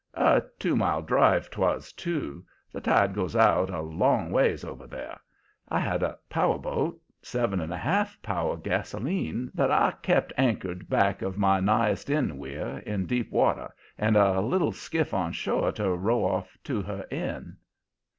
A two mile drive 'twas, too; the tide goes out a long ways over there. I had a powerboat seven and a half power gasoline that I kept anchored back of my nighest in weir in deep water, and a little skiff on shore to row off to her in.